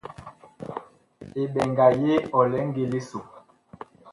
Eɓɛnga ye ɔ lɛ ngili so.